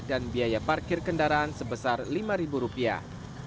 dan biaya parkir kendaraan sebesar lima ribu rupiah